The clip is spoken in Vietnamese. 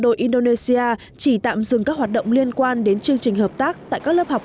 đội indonesia chỉ tạm dừng các hoạt động liên quan đến chương trình hợp tác tại các lớp học